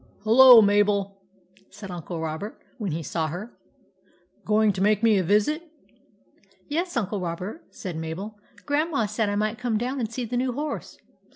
" Hullo, Mabel !" said Uncle Robert, when he saw her. " Going to make me a visit ?" Yes, Uncle Robert," said Mabel. " Grand ma said I might come down and see the new horse."